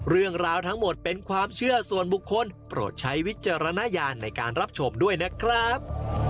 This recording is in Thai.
เรื่องราวทั้งหมดเป็นความเชื่อส่วนบุคคลโปรดใช้วิจารณญาณในการรับชมด้วยนะครับ